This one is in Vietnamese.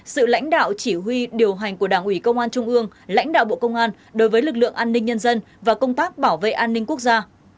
sự lãnh đạo chỉ huy điều hành của đảng ủy công an trung ương lãnh đạo bộ công an đối với lực lượng an ninh nhân dân và công tác bảo vệ an ninh quốc gia